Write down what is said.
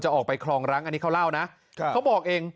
ออกไปคลองรังอันนี้เขาเล่านะเขาบอกเอง